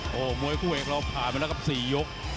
โอ้โหมวยคู่เอกเราผ่านมาแล้วครับ๔ยก